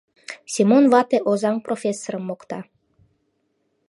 — Семон вате Озаҥ профессорым мокта.